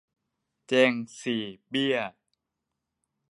แจงสี่เบี้ย